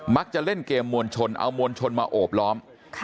จะเล่นเกมมวลชนเอามวลชนมาโอบล้อม